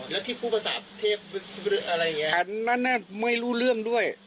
อ๋อแล้วที่พูดภาษาเทพอะไรอย่างเงี้ยอันนั้นน่ะไม่รู้เรื่องด้วย